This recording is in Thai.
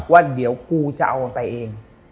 ว่าเดี๋ยวกูจะเอามันไปเอง